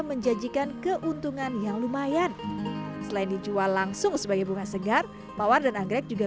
menjanjikan keuntungan yang lumayan selain dijual langsung sebagai bunga segar mawar dan anggrek juga